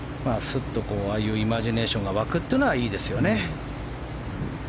スッと、ああいうイマジネーションが湧くというのはいいですよね。